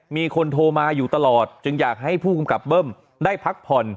มีคนโทรมาอยู่ตลอดจึงอยากให้ผู้กำกับเบิ้มได้พักผ่อน